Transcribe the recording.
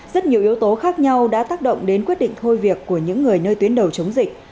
rất nhiều yếu tố khác nhau đã tác động đến quyết định thôi việc của những người nơi tuyến đầu chống dịch